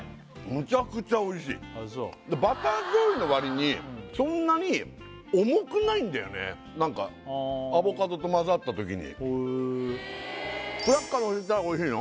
むちゃくちゃ美味しいバター醤油のわりにそんなに重くないんだよねなんかアボカドと混ざったときにクラッカーのせたら美味しいの？